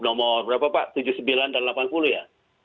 nomor berapa pak tujuh puluh sembilan dan delapan puluh ya